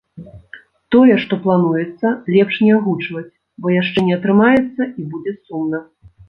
Тое, што плануецца, лепш не агучваць, бо яшчэ не атрымаецца, і будзе сумна.